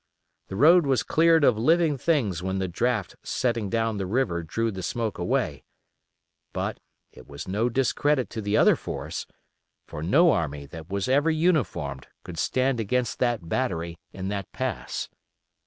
The road was cleared of living things when the draught setting down the river drew the smoke away; but it was no discredit to the other force; for no army that was ever uniformed could stand against that battery in that pass.